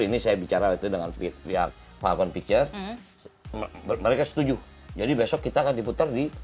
ini saya bicara itu dengan pihak falcon picture mereka setuju jadi besok kita akan diputar di